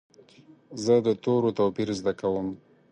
زه د تورو توپیر زده کوم.